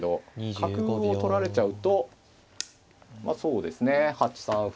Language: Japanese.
角を取られちゃうとまあそうですね８三歩。